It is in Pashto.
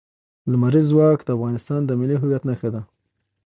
لمریز ځواک د افغانستان د ملي هویت نښه ده.